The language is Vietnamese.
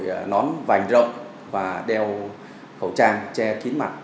và đội nón vành rộng và đeo khẩu trang che kín mặt